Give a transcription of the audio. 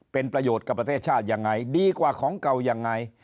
เป็นประโยชน์กับประเทศชาติยังไงดีกว่าของเก่ายังไง